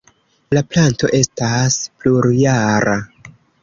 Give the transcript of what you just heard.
La planto estas plurjara.